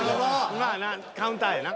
まあなカウンターやな。